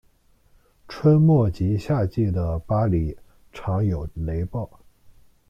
春末及夏季的巴里常有雷暴。